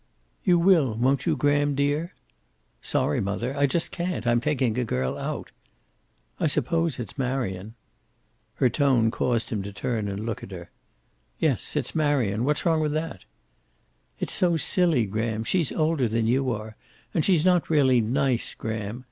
"You will, won't you, Graham, dear?" "Sorry, mother. I just can't. I'm taking a girl out." "I suppose it's Marion." Her tone caused him to turn and look at her. "Yes, it's Marion. What's wrong with that?" "It's so silly, Graham. She's older than you are. And she's not really nice, Graham.